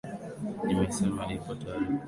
imesema ipo tayari kutoa ushirikiano